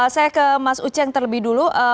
saya ke mas uceng terlebih dulu